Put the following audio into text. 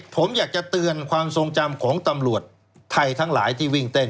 ผมอยากจะเตือนความทรงจำของตำรวจไทยทั้งหลายที่วิ่งเต้น